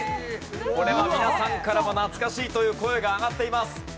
これは皆さんからも懐かしいという声が上がっています。